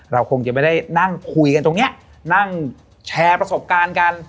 เราคงจะไม่ได้นั่งคุยกันตรงนี้นั่งแชร์ประสบการณ์กัน